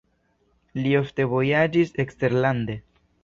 Li ofte vojaĝis eksterlande.